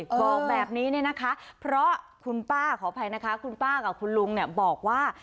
บอกแบบนี้เนี่ยนะคะเพราะคุณป้าขออภัยนะคะคุณป้ากับคุณลุงเนี่ยบอกว่า